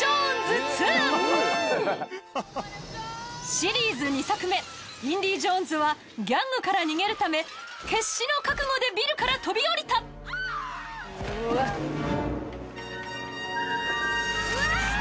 シリーズ２作目インディ・ジョーンズはギャングから逃げるため決死の覚悟でビルから飛び降りたあ！